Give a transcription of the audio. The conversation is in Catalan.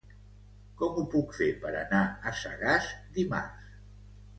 Com ho puc fer per anar a Sagàs dimarts?